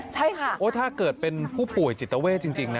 ใช่ค่ะโอ้ถ้าเกิดเป็นผู้ป่วยจิตเวทจริงนะ